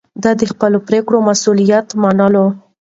ده د خپلو پرېکړو مسووليت منلو.